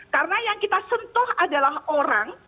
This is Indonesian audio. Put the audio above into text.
karena yang kita sentuh adalah orang